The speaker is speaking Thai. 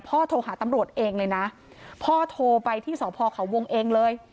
โทรหาตำรวจเองเลยนะพ่อโทรไปที่สพเขาวงเองเลย